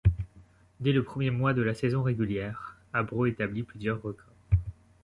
Dès le premier mois de la saison régulière, Abreu établit plusieurs records.